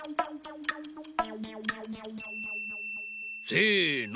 せの。